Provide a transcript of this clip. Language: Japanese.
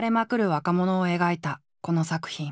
若者を描いたこの作品。